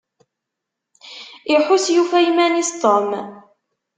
Iḥuss yufa iman-is Tom.